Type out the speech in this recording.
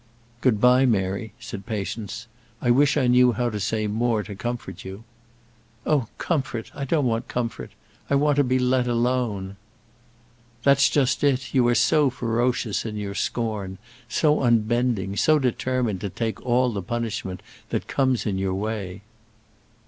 "Good bye, Mary," said Patience. "I wish I knew how to say more to comfort you." "Oh, comfort! I don't want comfort. I want to be let alone." "That's just it: you are so ferocious in your scorn, so unbending, so determined to take all the punishment that comes in your way."